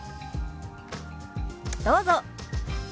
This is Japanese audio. どうぞ。